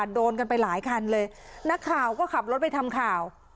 โดนกันไปหลายคันเลยนักข่าวก็ขับรถไปทำข่าว